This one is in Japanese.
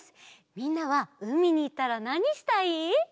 みんなはうみにいったらなにしたい？